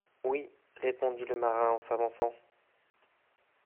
Oui, répondit le marin en s'avançant.